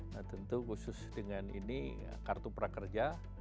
nah tentu khusus dengan ini kartu prakerja